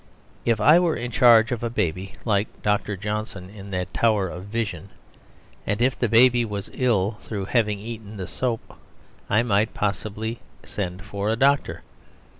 If I were in charge of a baby (like Dr. Johnson in that tower of vision), and if the baby was ill through having eaten the soap, I might possibly send for a doctor.